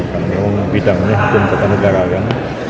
karena memang bidangnya hukum kebenaran